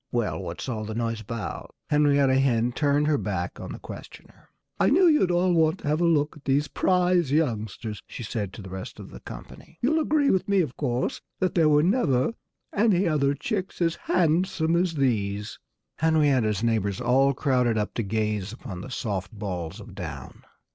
"Well, what's all the noise about?" Henrietta Hen turned her back on her questioner. "I knew you'd all want to have a look at these prize youngsters," she said to the rest of the company. "You'll agree with me, of course, that there were never any other chicks as handsome as these." Henrietta's neighbors all crowded up to gaze upon the soft balls of down.